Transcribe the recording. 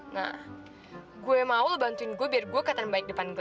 nah gue mau lo bantuin gue biar gue ke teman baik depan dia